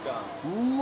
うわ